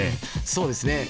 そうですね。